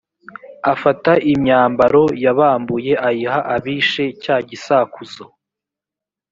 afata imyambaro yabambuye ayiha abishe cya gisakuzo